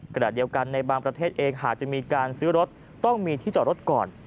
ขณะเดียวกันในบางประเทศเองหากจะมีการซื้อรถต้องมีที่จอดรถก่อน